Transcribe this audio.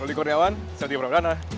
roli kurniawan setiap programnya